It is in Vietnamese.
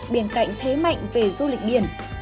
bên cạnh thế mạnh về du lịch biển